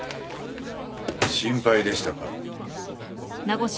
心配でしたか。